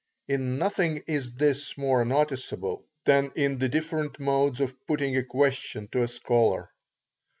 In nothing is this more noticeable, than in the different modes of putting a question to a scholar.